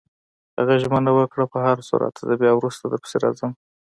هغه ژمنه وکړه: په هرصورت، زه بیا وروسته درپسې راځم.